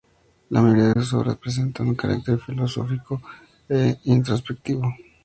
La mayoría de sus obras presentan un carácter filosófico e introspectivo.